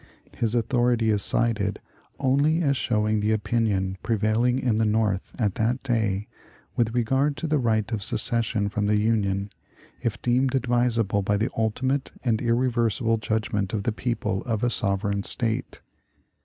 His authority is cited only as showing the opinion prevailing in the North at that day with regard to the right of secession from the Union, if deemed advisable by the ultimate and irreversible judgment of the people of a sovereign State.